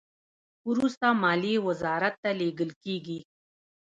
وروسته مالیې وزارت ته لیږل کیږي.